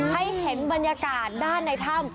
ให้เห็นบรรยากาศด้านในถ้ำ